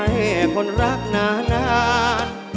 ให้คนรักนาน